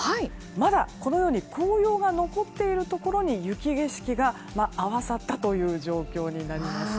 まだ紅葉が残っているところに雪景色が合わさったという状況になります。